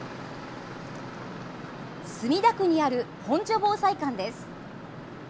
墨田区にある本所防災館です。